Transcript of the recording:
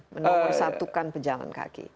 mempersatukan pejalan kaki